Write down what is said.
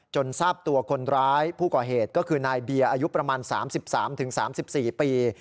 ทราบตัวคนร้ายผู้ก่อเหตุก็คือนายเบียร์อายุประมาณ๓๓๔ปี